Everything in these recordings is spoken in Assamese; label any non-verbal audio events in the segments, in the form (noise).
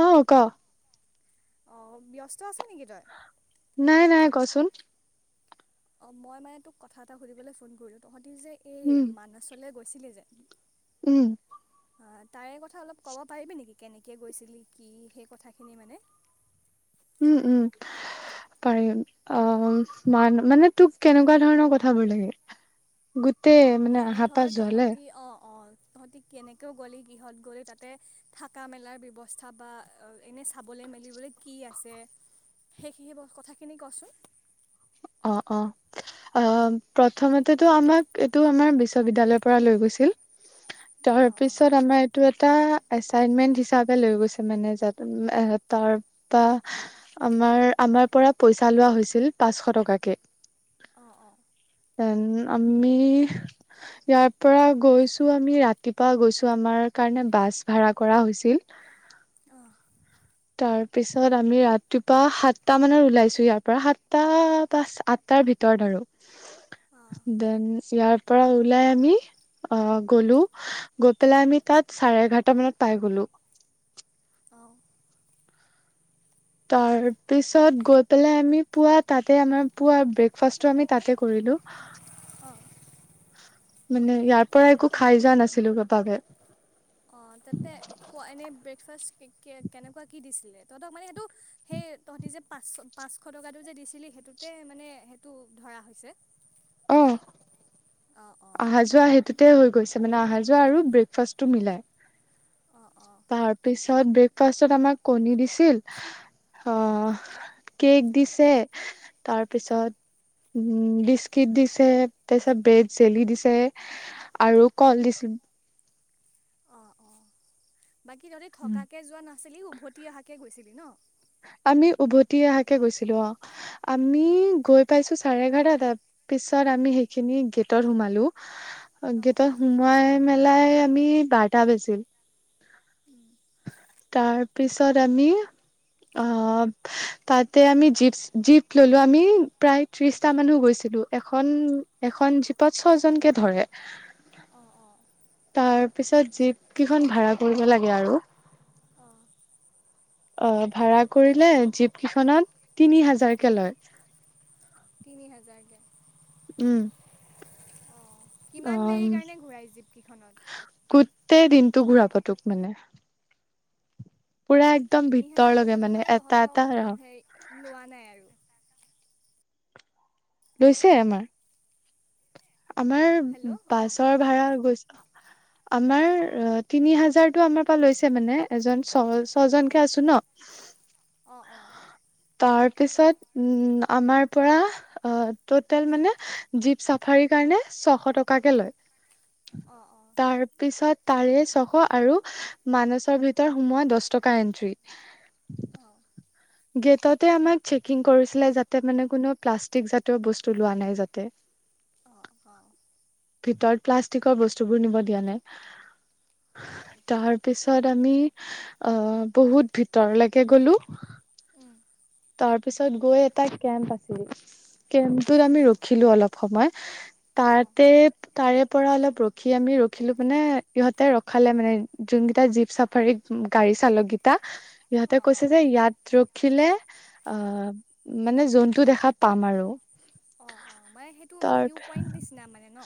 অহ কঅ অহ ব্যস্ত আছ নেকি তই? নাই নাই কচোন। অহ মই মানে তোক কথা এটা সুধিবলৈ ফোন কৰিলো? তহঁত তুমি যে উম এই মানসলে গৈ আছিলে যেন উম তাৰে কথা অলপ ক'ব পাৰিবি নেকি কেনেকৈ গৈছিলি কি সেই কথাখিনি মানে উম উম পাৰিম অহ মান মানে তোক কেনেকুৱা ধৰণৰ কথাবোৰ লাগে, গোটেই তেহ মানে আহা ধৰ পাহ যোৱাালে তহঁতি অঁ অঁ তহঁতি কেনেকৈও গ'লে কিহঁত গ'লে তাতে থকা মেলাৰ ব্যৱস্থা বা এনে চাবলৈ মেলিবলৈ কি আছে সেই সেই কথাখিনি কচোন অহ অহ প্ৰথমতেটো আমাক এইটো আমাৰ বিশ্ববিদ্যালয়ৰ পৰা লৈ গৈছিল অঁ অঁ তাৰপিছত আমাৰ এইটো এটা এচাইনমেন্ট হিচাপে লৈ গৈছে মানে যে তাৰপা আমাৰ আমাৰ পৰা পইচা লোৱা হৈছিল পাঁচশ টকা। তাকে (unintelligible) দেন আমি ইয়াৰ পৰা গৈছো আমি ৰাতিপুৱা গৈছো, আমাৰ কাৰণে বাছ ভাড়া কৰা হৈছিল। তাৰ পিছত আমি ৰাতিপুৱা সাতটা মানত ওলাইছো ইয়াৰ পৰা সাতটা পাচ আঠটাৰ ভিতৰত আৰু অঁ দেন ইয়াৰ পৰা ওলাই আমি আহ গলো গৈ পেলাই আমি তাত চাৰে এঘাৰটা মানত পাই গলো। অঁ অঁ তাৰ পিছত গৈ পিনে আমি পুৱা তাতে আমাৰ পুৱা আমি ব্ৰেকফাষ্টটঝ আমি তাতে কৰিলো। অঁ মানে ইয়াৰ পৰা একো খাই যোৱা নাছিলো (unintelligible) কে অঁ তাতে খোৱা এনেই ব্ৰেকফাষ্ট কেনেকুৱা কি দিছিলে তহঁতক মানে সেইটো সেই তহঁতি যে পাঁচশ পাঁচশ টকাটো যে দিছিলি সেইটোতে মানে সেইটো ধৰা হৈছে অহ অঁ অঁ অহা যোৱা সেইটোতে হৈ গৈছে মানে আহা যোৱা আৰু ব্ৰেকফাষ্টটো মিলাই অঁ অঁ তাৰপিছত ব্ৰেকফাষ্টত আমাক কণী দিছিল অঁ অহ কেক দিছে তাৰপিছত উহ বিস্কিট দিছে তাৰপিছত ব্ৰেড জেলি দিছে আৰু কল দিছে অঁ অঁ বাকী যদি থকাকে যোৱা নহয় আছিলি উভতি অহাকে গৈছিলি নহ আমি উভতি অহাকে গৈছিলো অহ আমি গৈ পাইছো চাৰে এঘাৰটাৰ পিছত আমি সেইখিনি গেটত সোমালো অঁ গেটত সোমাই মেলাই আমি বাৰটা বাজিল। তাৰ পিছত আমি অহ তাতে আমি জীপ জীপ ললো আমি প্ৰায় ত্ৰিশটা মানুহ গৈছিলো এখন এখন জীপত ছয় জনকে ধৰে অহ অহ তাৰ পিছত জীপ কেইখন ভাড়া কৰিব লাগে আৰু অঁ অহ ভাড়া কৰিলে জীপ কেইখনত তিনি হাজাৰকে লয়। তিনি হাজাৰ যে উম অ কিমান দেৰি কাৰণে ঘূৰাই যীপ কেইখনত তেহ দিনটো ঘূৰাব টোক মানে পুৰা একদম তিনি হাজাৰ ভিতৰলৈকে পইচাটো মানে এটা এটা তহঁতৰ হে লোৱা নাই আৰু লৈছে আমাৰ আমাৰ হেল্ল' অঁ বাছৰ ভাড়া গৈছে আমাৰ, অ তিনি হাজাৰতটো আমাৰ পৰা লৈছে মানে, এজন ছ ছয় জনকে অঁ আছো ন, অঁ অঁ তাৰ তাৰ পিছত, উম আমাৰ পৰা, অ' টটেল মানে জীপ চাফাৰী সেইকাৰণে চ এশ টকাকে লয়। অঁ অঁ তাৰ পিছত তাৰে ছশ, আৰু মানচৰ ভিতৰত সোমোৱা দহ টকা এন্ট্ৰি অঁ গেটত আমাক চেকিং কৰিছিলে যাতে মানে কোনেও প্লাষ্টিক যাতিয় বস্তু লোৱা নায় যাতে। অ', অ', ভিতৰত প্লাষ্টিকৰ বস্তুবোৰ নিব দিয়া নাই, হয়, তাৰ পিছত আমি, আ' বহুত ভিতৰলৈকে গলো উম। তাৰ পিছত গৈ এটা কেম্প আছিল, কেম্পটোত আমি ৰখিলো অলপ সময় অ', তাতে তাৰে পৰা অলপ ৰখি আমি ৰখিলো মানে, ইহঁতে ৰখালে মানে, যোনকেইটা জীপ চাফাৰী গাড়ী চালকেইটা, ইহঁতে অ', কৈছে অ', যে ইয়াত ৰখিলে অঁ মানে জন্তু দেখা পাম আৰু। অ'-অ', মানে সেইটো তাৰ ভিউ পইন্ট নিচিনা মানে ন?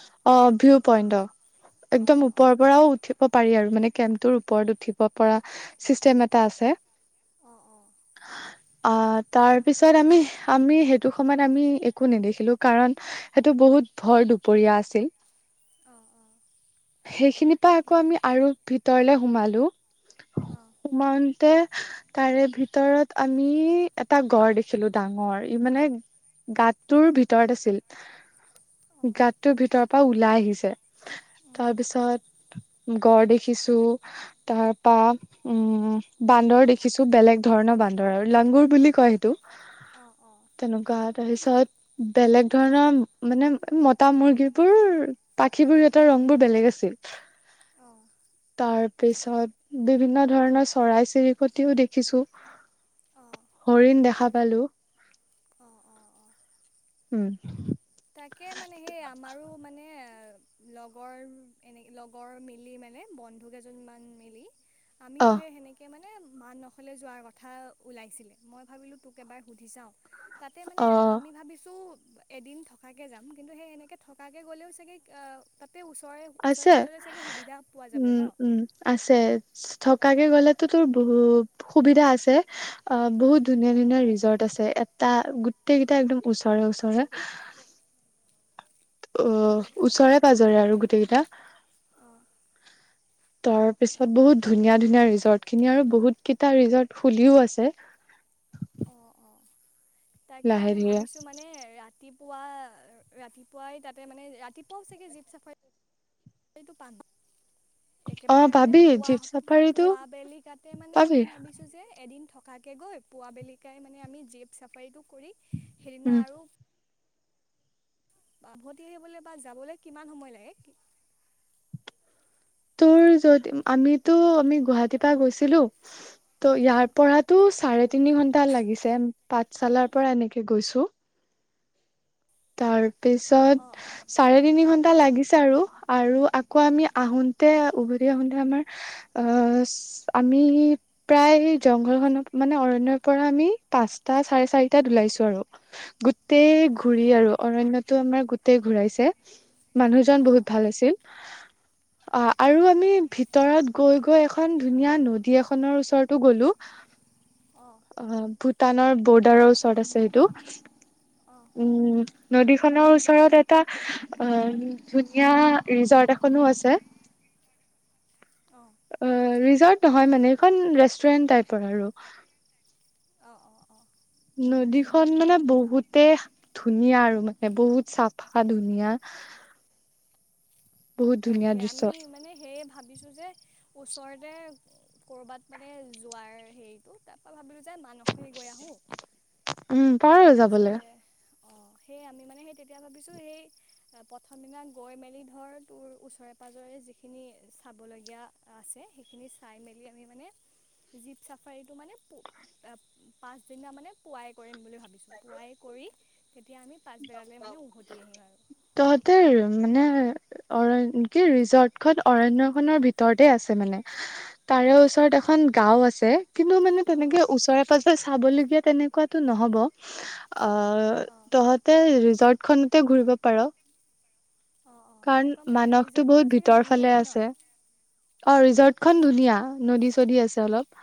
পইণ্ড অ'। একদম অ', অ', ওপৰৰ পৰাও উঠি উঠিব পাৰি আৰু, মানে কেমতো উপৰত উঠিব পৰা চিষ্টেম এটা আছে অ', অ', তাৰপিছত আমি, আমি সেইটো সময়ত আমি একো নেদেখিলোঁ কাৰণ সেইটো বহুত ভৰ দুপৰীয়া আছিল। অ', অ', সেইখিনি পৰা আকৌ সেইখিনি আমি আৰু ভিতৰলে সোমালো অ', সোমাওতে তাৰে ভিতৰত আম ই এটা গড় দেখিলো ডাঙৰ, ই মানে গিতটোৰ ভিতৰত আছিল, অ', গাতটোৰ ভিতৰৰ পৰা ওলাই আহিছে, তাৰ উম, পিছত, গড় দেখিছো অঁঃ লাংগুৰ বুলি কয় সেইটো। অ', অ', তেনেকুৱা, তাৰপিছত বেলেগ ধৰণৰ মানে, মতা মুৰ্গী বোৰ পাখিবোৰ ইহঁতৰ ৰং বোৰ বেলেগ আছিল। অঁ। তাৰ পিছত বিভিন্ন ধৰণৰ চৰাই চিৰিকটিও দেখিছো। হৰিণ দেখা পালো। অ', অ', অ'। উম। তাকে মানে সেই আমাৰো মানে, ‌লগৰ এনে, লগৰ মিলি মানে বন্ধুকেইজনমান মিলি আমিও অ সেই সেনেকে মানে এই মা নহলে যোৱাৰ কথা ওলাইছিলে, মই ভাবিলো তোক এবাৰ সুধি চাওঁ? তাতে মানে অ আমি ভাবিছো এদিন থকা থকাকে যাম। কিন্তু সেই এনেকে থকাকে গ'লেও চাগে তাত আছে, পোৱা যাব ন উম'-উম, আছে, থকাকে গলে তো বহুত সুবিধা আছে। অ' অঁ বহুত ধুনীয়া ধুনীয়া ৰিজৰ্ট আছে, এটা গোটেই কেইটা একদম ওচৰে ওচৰে অঁ ওচৰে পাজৰে আৰু গোটেই কেইটা অঁ তাৰ পিছত অঁ অঁ বহুত ধুনীয়া ধুনীয়া ৰিজৰ্ট খিনি আৰু বহুত কেইটা ৰিজৰ্ট খুলিও আছে অহ অহ তাকে লাহে আমি ধীৰে ভাবিছো মানে ৰাতি পুৱা ৰাতিপুৱাই তাতে মানে ৰাতিপুৱাও চাগে জীপ চাফাইত সেইটো পাম অ একেবাৰে মানে পাবি পুৱা জীপ চাফাৰীটো পুৱা বেলি কাতে মানে পাবি আমি ভাবিছো যে এদিন থকা- থকাকে গৈ পুৱা বেলিকাই মানে আমি জীপ চাফাৰীটো কৰি সেইদিনা উম আৰু উভতি আহিবলৈ বা যাবলৈ কিমান সময় লাগে? তোৰ যদি আমিতো আমি গুৱাহাটীৰ পৰা গৈছিলো ত' অঁ ইয়াৰ পৰাতো চাৰে তিনি ঘন্টা লাগিছে পাঠশালাৰ পৰা এনেকে গৈছো তাৰ অঁ পিছত অঁ চাৰে তিনি ঘণ্টা লাগিছে আৰু আৰু আকৌ আমি আহোতে অঁ উভতি আহোতে আমাৰ আহ আমি প্ৰায় জংঘল খনৰ মানে অৰণ্য পৰা আমি পাঁচটা চাৰে চাৰিতাত ওলাইছো আৰু গোটেই অঁ ঘুৰি অঁ আৰু অৰণ্যটো আমাৰ গোটেই ঘুৰাইছে মানুহজন অঁ বহুত ভাল আছিল অ আৰু আমি ভিতৰত গৈ গৈ এখন ধুনীয়া নদী এখনৰ ওচৰতো গ'লো অঁ বহুত ভূটানৰ বৰ্ডাৰৰ ওচৰত আছে সেইটো অঁ উম নদীখনৰ ওচৰত এটা অঁ ধুনীয়া ৰিজৰ্ট এখনো আছে। অঁ অঁ ৰিজৰ্ট নহয় মানে এইখন ৰেষ্টুৰেন্ট টাইপৰ আৰু অঁ অঁ অঁ নদীখন মানে বহুতে ধুনীয়া আৰু মানে বহুত চাফা ধুনীয়া বহুত ধুনীয়া তাকে দৃশ্য আমি মানে সেয়ে ভাবিছো যে ওচৰতে কৰ'বাত মানে যোৱাৰ হেৰিটো তাৰ পৰা ভাবিলো যে মানুহ খিনি গৈ আহো উম পাৰ হৈ যাবলৈ তাৰপিছতে অ সেই আমি মানে সেই তেতিয়া ভাবিছো সেই প্ৰথম দিনা গৈ মেলি ধৰ তোৰ ওচৰে পাজৰে যিখিনি চাবলগীয়া আছে সেইখিনি চাই মেলি আমি মানে জীপ চাফাৰীটো মানে পাছদিনা মানে পুৱাই কৰিম বুলি ভাবিছোঁ। পুৱাই কৰি তেতিয়া আমি পাছবেলালৈ মানে উভতি আহিম আৰু তহতে মানে অৰণ কি ৰিজৰ্ট খন অৰণ্য খনৰ ভিতৰতে আছে মানে? তাৰে অঁ ওচৰত এখন গাঁও আছে। কিন্তু মানে অঁ তেনেকে অঁ ওচৰে পাঁজৰে চাবলগীয়া তেনেকুৱাতো নহ'ব অঁ তহত ৰিজৰ্ট খনতে ঘূৰিব পাৰ। অঁ অঁ কাৰণ সেনেকুৱা মানে মানসটো ৰিজৰ্টখনো বহুত চাগে ভিতৰ ফালে ধুনীয়াই ন আছে। অ ৰিজৰ্ত খন ধুনীয়া নদী চদী আছে অলপ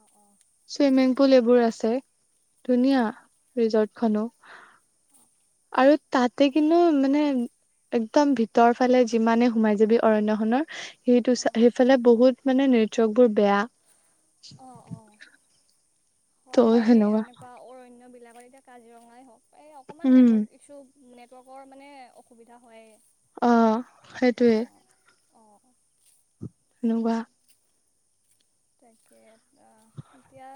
অঁ অঁ চুইমিং পুল এইবোৰ আছে, ধুনীয়া ৰিজৰ্ট খনো। আৰু তাতে কিন্তু মানে একদম ভিতৰ ফালে যিমানে সোমাই যাবি অৰন্যখনৰ, সেইটো অঁ সেইফালে বহুত মানে নেটৱৰ্ক বোৰ অঁ অঁ বেয়া হয় ত' বাৰু এ সেনেকুৱা এনেকুৱা অৰণ্য বি (unintelligible) কাজিৰঙাই হওক এই অকণমান উম নেটৱৰ্ক ইছ্যু নেটৱৰ্কৰ মানে অসুবিধা হয় য়ে। অঁ সেইটোৱে। অঁ। (unintelligible) তাকে আহ এতিয়া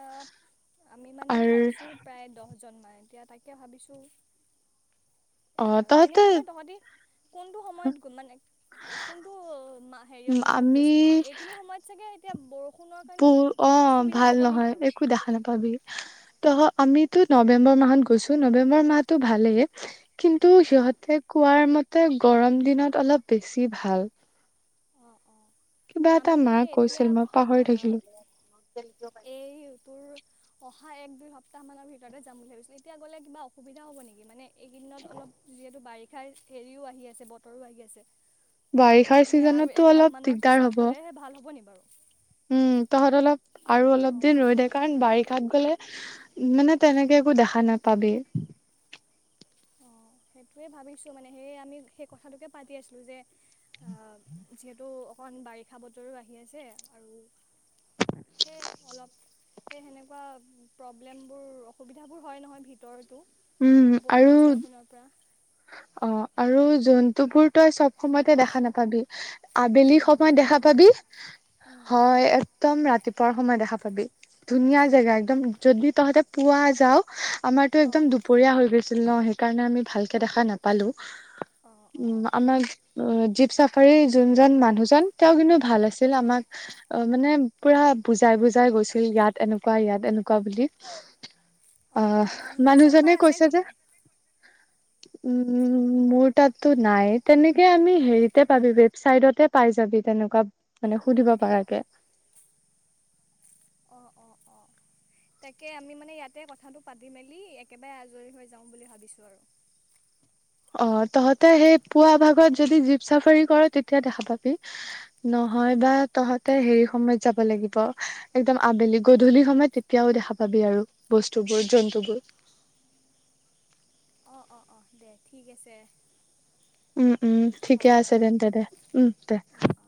আমি মানে আৰু আছো প্ৰায় দহ (unintelligible) এতিয়া তাকে ভাবিছোঁ অ', এনেই তহঁতে মানে তহঁতি কোনটো সময়ত মানে কোনটো হেৰিয়ত মাহত গৈছিলি বাৰু এইখিনি সময়ত চাগে এতিয়া বৰ ব, অ' ভাল নহয়, বাৰু একো দেখা নাপাবি, তহঁত আমিতো নৱেম্বৰ মাহত গৈছো, নৱেম্বৰ মাহটো ভালেই কিন্তু অঁ সিহঁতে কোৱাৰ মতে তে গৰম দিনত অলপ বেছি ভাল। অঁ কিবা এটা আমি মা মানে এতিয়া, কৈছিল মই পাহৰি অঁ থাকিলো এইটোৰ অহা এক দুই সপ্তাহ মানৰ ভিতৰতে যাম বুলি ভাবিচিলো, এতিয়া গ'লে কিবা অসুবিধা হ'ব নেকি? মানে এইকেইদিনত অলপ যিহেতু বাৰিষা (unintelligible) হেৰিও আহি আছে বতৰো আহি আছে। বাৰিষাৰ তে আৰু চিজনতটো এক অলপ মাহমানৰ দিগদাৰ হব পিছত হ'লেহে ভাল হ'ব নি বাৰু? উম, তহঁত অলপ আৰু অলপ অঁ দিন ৰৈ দে, অঁ অঁ কাৰণ বাৰিষাত গ'লে মানে তেনেকে একো দেখা নাপাবি। অঁ সেইটোৱে ভাবিছোঁ মানে সেই আমি সেই কথাটোকে পাতি আছিলো যে যিহেতু অকন বাৰিষা বতৰো আহি আছে আৰু সেই অলপ সেই সেনেকুৱা প্ৰব্লেম বোৰ অসুবিধাবোৰ হয় নহয় ভিতৰ উম আৰু উম, অঁ আৰু জন্তু বোৰ তই চব সময়তে দেখা নাপাবি। আবেলি অঁ সময় দেখা পাবি, হয়্ একদম ৰাতিপুৱাৰ সময় দেখা পাবি, ধুনীয়া জেগা, একদম যদি তহঁতে পুৱা যাওঁ আমাৰ টো অঁ একদম দু হৈছিল ন সেই কাৰণে আমি ভালকে দেখা নাপালোঁ। অ', উম অ', আমাৰ অ, জীপ চাফাৰী যোনজন মানুহজন, তেওঁ কিন্তু ভাল আছে আছিল অ', আমাক, অ' মানে পুৰা বুজাই বুজাই গৈছিল ইয়াত এনেকুৱা, ইয়াত এনেকুৱা বুলি। অ', অঁ নাম্বাৰ মানুহজনে চাম্বাৰ আছে কৈছে যে নেকি? উম মোৰ তাতটো নাই, তেনেকে আমি হেৰিতে পাবি ৱেবচাইটতে পাই যাবি তেনেকুৱা মানে সুধিব পাৰাকে। অ'-অ'-অ, তাকে আমি মানে ইয়াতে কথাটো পাতি মেলি একেবাৰে আজৰি হৈ যাওঁ বুলি ভাবিছোঁ আৰু। অঁ তহতে সেই পুৱা ভাগত যদি জীপ চাফাৰী কৰোঁ তেতিয়া দেখা পাব, নহয় অ', বা তহঁতে হেৰি সময়ত যাব লাগিব। একদম আবেলি, গধূলি সময়ত তেতিয়াও দেখা পাবি আৰু বস্তুবোৰ, জন্তুবোৰ। অঁ-অঁ-অঁ দে ঠিক আছে। উম-উম ঠিকে আছে তেন্তে দে, উম দে। অ', অ'।